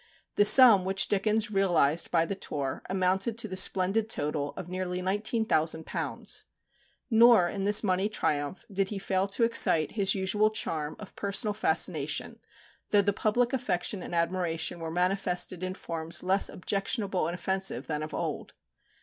The sum which Dickens realized by the tour, amounted to the splendid total of nearly £19,000. Nor, in this money triumph, did he fail to excite his usual charm of personal fascination, though the public affection and admiration were manifested in forms less objectionable and offensive than of old.